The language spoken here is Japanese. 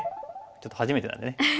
ちょっと初めてなんでね。